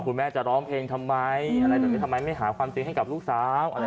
คุณแม่จะร้องเพลงทำไมทำไมไม่หาความจริงให้กับลูกสาว